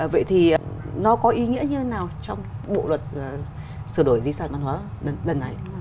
vậy thì nó có ý nghĩa như thế nào trong bộ luật sửa đổi di sản văn hóa lần này